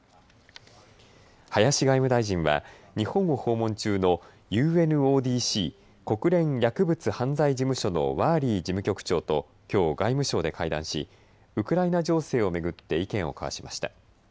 林外務大臣は日本を訪問中のＵＮＯＤＣ・国連薬物・犯罪事務所のワーリー事務局長ときょう外務省で会談し、ウクライナ情勢を巡って意見を交わしました。